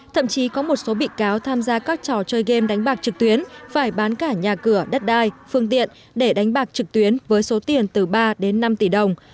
thậm chí có một số bị cáo tham gia các trò chơi game đánh bạc trực tuyến phải bán cả nhà cửa đất đai phương tiện để đánh bạc trực tuyến với số tiền từ ba đến năm tỷ đồng